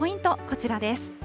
こちらです。